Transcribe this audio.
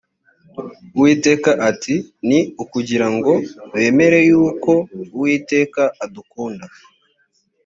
uwiteka ati ni ukugira ngo bemere yuko uwiteka adukunda